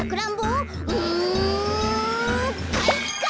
うんかいか！